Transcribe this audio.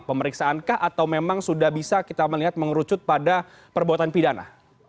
pemeriksaankah atau memang sudah bisa kita melihat mengerucut pada perbuatan pidana